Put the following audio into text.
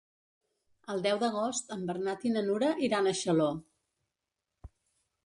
El deu d'agost en Bernat i na Nura iran a Xaló.